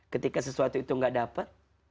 ketika sesuatu itu tidak di dapat